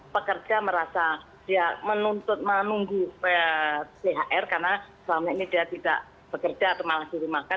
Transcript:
pekerja merasa dia menuntut menunggu thr karena selama ini dia tidak bekerja atau malah dirumahkan